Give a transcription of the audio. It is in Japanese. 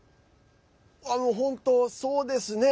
本当、そうですね。